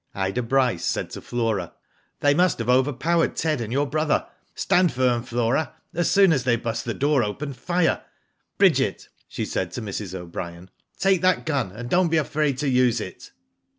Ida Bryce said to Flora : "They must have overpowered Ted and your brother. Stand firm, Flora. As soon as they burst the door open, fire. Bridget,'* she said to Mrs. O'Brien, "take that gun, and don't be afraid to use it."